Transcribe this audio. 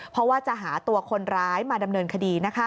เพราะว่าจะหาตัวคนร้ายมาดำเนินคดี